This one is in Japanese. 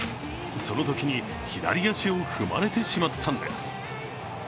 そのときに左足を踏まれてしまったんです。